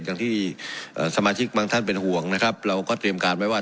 อย่างที่สมาชิกบางท่านเป็นห่วงนะครับเราก็เตรียมการไว้ว่า